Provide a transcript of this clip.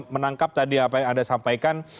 menangkap tadi apa yang anda sampaikan